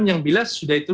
yang bila sudah itu